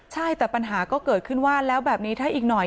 ใช่แต่ปัญหาก็เกิดขึ้นว่าแล้วแบบนี้ถ้าอีกหน่อย